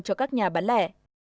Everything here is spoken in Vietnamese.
cho các nhà bán lẻ